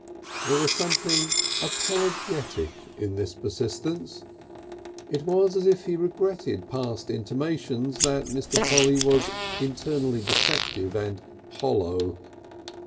There was something apologetic in this persistence; it was as if he regretted past intimations that Mr. Polly was internally defective and hollow.